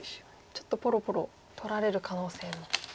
ちょっとぽろぽろ取られる可能性も。